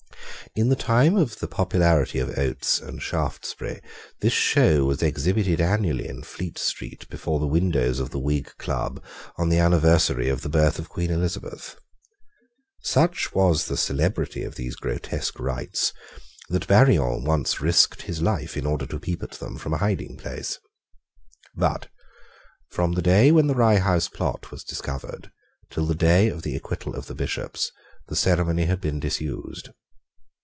In the time of the popularity of Oates and Shaftesbury this show was exhibited annually in Fleet Street before the windows of the Whig Club on the anniversary of the birth of Queen Elizabeth. Such was the celebrity of these grotesque rites, that Barillon once risked his life in order to peep at them from a hiding place. But, from the day when the Rye House Plot was discovered, till the day of the acquittal of the Bishops, the ceremony had been disused.